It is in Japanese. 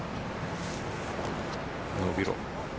伸びろ。